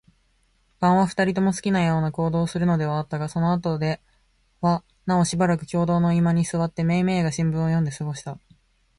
晩は、二人とも好きなような行動をするのではあったが、そのあとではなおしばらく共同の居間に坐って、めいめいが新聞を読んで過ごした。